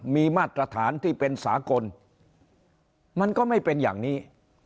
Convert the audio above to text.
มีมาตรฐานที่เป็นสากลมันก็ไม่เป็นอย่างนี้